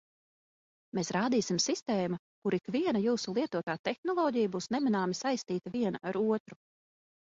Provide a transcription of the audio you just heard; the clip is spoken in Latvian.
Mēs radīsim sistēmu, kur ikviena jūsu lietotā tehnoloģija būs nemanāmi saistīta viena ar otru.